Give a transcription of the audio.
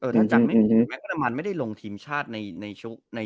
ถ้าจำไม่ได้ไม่ได้ลงทีมชาติในปี๙๖